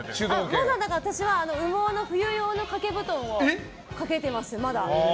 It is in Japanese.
私は羽毛の冬用の掛け布団をかけてます。